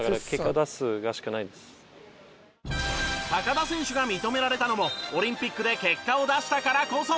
田選手が認められたのもオリンピックで結果を出したからこそ！